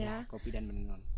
iya kopi dan menenun